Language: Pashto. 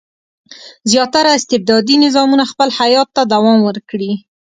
زیاتره استبدادي نظامونه خپل حیات ته دوام ورکړي.